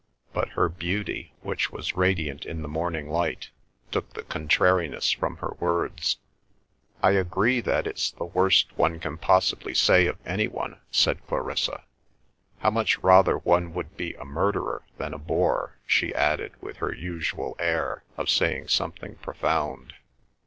But her beauty, which was radiant in the morning light, took the contrariness from her words. "I agree that it's the worst one can possibly say of any one," said Clarissa. "How much rather one would be a murderer than a bore!" she added, with her usual air of saying something profound.